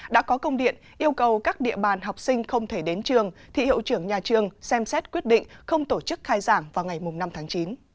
đã có công điện yêu cầu các địa bàn học sinh không thể đến trường thì hiệu trưởng nhà trường xem xét quyết định không tổ chức khai giảng vào ngày năm tháng chín